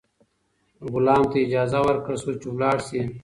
غلام ته اجازه ورکړل شوه چې لاړ شي.